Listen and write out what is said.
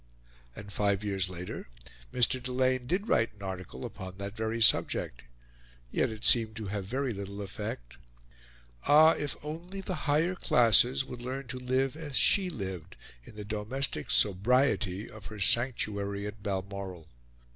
And five years later Mr. Delane did write an article upon that very subject. Yet it seemed to have very little effect. Ah! if only the Higher Classes would learn to live as she lived in the domestic sobriety of her sanctuary at Balmoral!